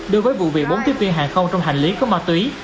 đối với vụ việc bốn tiếp viên hàng không trong hành lý có ma túy